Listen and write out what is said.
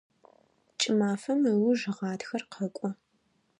Кӏымафэм ыуж гъатхэр къэкӏо.